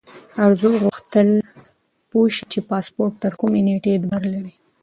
ارزو غوښتل پوه شي چې پاسپورت تر کومې نیټې اعتبار لري.